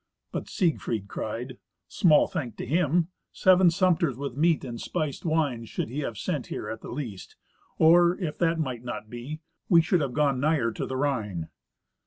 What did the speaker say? But Siegfried cried, "Small thank to him. Seven sumpters with meat and spiced wines should he have sent here at the least, or, if that might not be, we should have gone nigher to the Rhine."